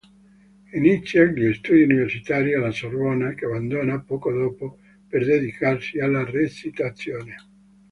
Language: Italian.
Inizia gli studi universitari alla Sorbona che abbandona poco dopo per dedicarsi alla recitazione.